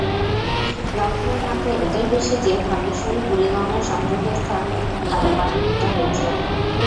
দখলের মাত্রা এতই বেশি যে, ধলেশ্বরী-বুড়িগঙ্গার সংযোগস্থল এখন খালে পরিণত হয়েছে।